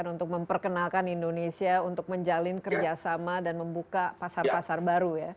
untuk memperkenalkan indonesia untuk menjalin kerjasama dan membuka pasar pasar baru ya